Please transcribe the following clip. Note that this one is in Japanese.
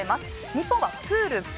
日本はプールＢ！